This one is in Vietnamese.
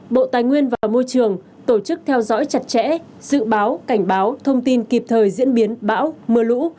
bộ tài nguyên và môi trường tổ chức theo dõi chặt chẽ dự báo cảnh báo thông tin kịp thời diễn biến bão mưa lũ